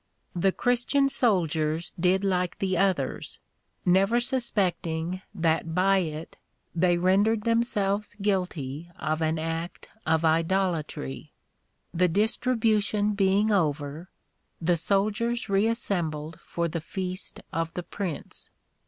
239 The Christian soldiers did like the others, never suspecting that by it they rendered themselves guilty of an act of idolatry. The distribution being over, the soldiers reassem bled for the feast of the prince.